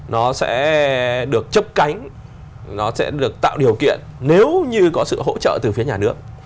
nó sẽ được chấp cánh nó sẽ được tạo điều kiện nếu như có sự hỗ trợ từ phía nhà nước